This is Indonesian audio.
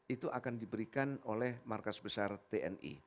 itu akan diberikan oleh markas besar tni